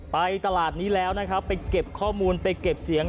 ไปตลาดนี้แล้วไปเก็บข้อมูลไปเก็บเสียง